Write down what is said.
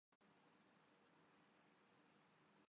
تاکہ ماضی جیسا عروج دوبارہ پاکستان کرکٹ کو میسر آ سکے